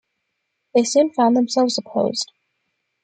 They soon found themselves opposed.